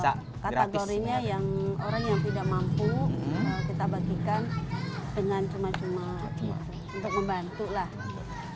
kategorinya yang orang yang tidak mampu kita bagikan dengan cuma cuma untuk membantu lah